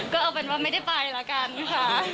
ก็เอาเป็นว่าไม่ได้ไปละกันค่ะ